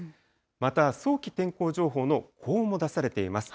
また早期天候情報の高温も出されています。